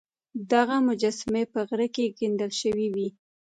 دغه مجسمې په غره کې کیندل شوې وې